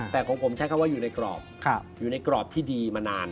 แต่ของผมใช้คำว่าอยู่ในกรอบอยู่ในกรอบที่ดีมานาน